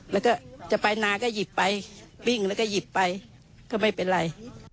แล้วก็จะไปนาก็หยิบไปวิ่งแล้วก็หยิบไปก็ไม่เป็นไร